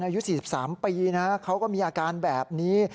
อายุ๔๓ปีนะเขาก็มีอาการแบบนี้